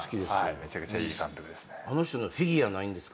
めちゃくちゃいい監督ですね。